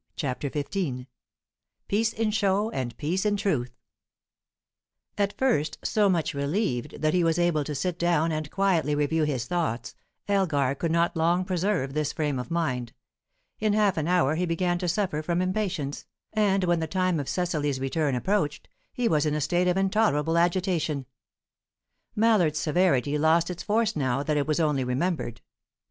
CHAPTER XV PEACE IN SHOW AND PEACE IN TRUTH At first so much relieved that he was able to sit down and quietly review his thoughts, Elgar could not long preserve this frame of mind; in half an hour he began to suffer from impatience, and when the time of Cecily's return approached, he was in a state of intolerable agitation. Mallard's severity lost its force now that it was only remembered.